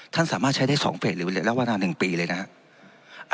ท่านสามารถใช้ได้๒เพจหรือแล้วเวลา๑ปีเลยนะครับ